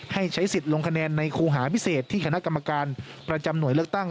ให้ใช้สิทธิ์ลงคะแนนในครูหาพิเศษที่คณะกรรมการประจำหน่วยเลือกตั้ง